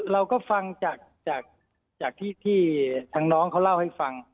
เราก็ฟังจากที่ทางน้องเขาเล่าให้ฟัง